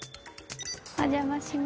お邪魔します。